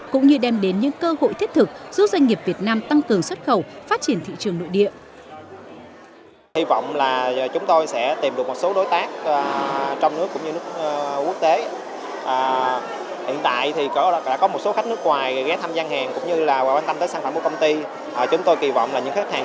cũng như đem đến những cơ hội thiết thực giúp doanh nghiệp việt nam tăng cường xuất khẩu phát triển thị trường nội địa